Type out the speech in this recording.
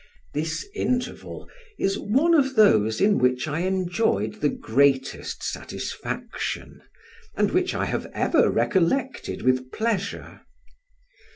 This interval is one of those in which I enjoyed the greatest satisfaction, and which I have ever recollected with pleasure.